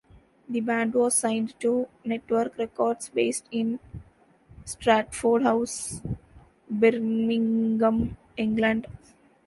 The band was signed to Network Records based in Stratford House, Birmingham, England.